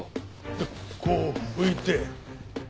でこう拭いて。